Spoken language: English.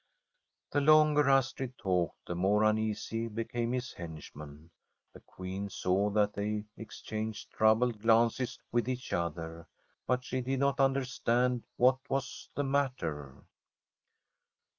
The longer Astrid talked, the more uneasy be came his henchmen. The Queen saw that they exchanged troubled glances with each other, but she did not understand what was the matter.